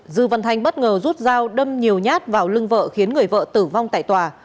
dư văn thanh bất ngờ rút dao đâm nhiều nhát vào lưng vợ khiến người vợ tử vong tại tòa